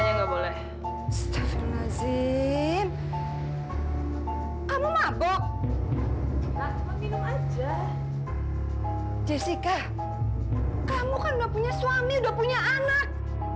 jessica kamu kan udah punya suami udah punya anak